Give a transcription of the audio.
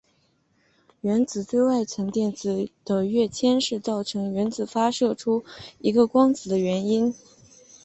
原子最外层电子的跃迁是造成原子发射出一个光子的原因。